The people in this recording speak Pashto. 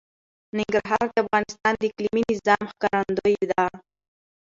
ننګرهار د افغانستان د اقلیمي نظام ښکارندوی ده.